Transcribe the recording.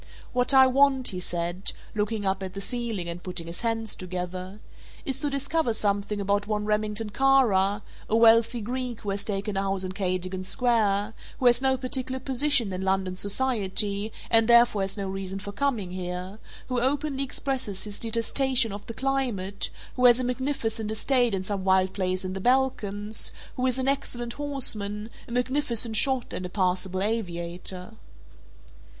"What I want," he said, looking up at the ceiling and putting his hands together, "is to discover something about one Remington Kara, a wealthy Greek who has taken a house in Cadogan Square, who has no particular position in London society and therefore has no reason for coming here, who openly expresses his detestation of the climate, who has a magnificent estate in some wild place in the Balkans, who is an excellent horseman, a magnificent shot and a passable aviator."